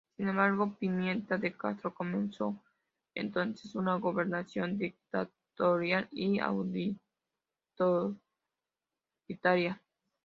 Sin embargo, Pimenta de Castro comenzó entonces una gobernación dictatorial y autoritaria.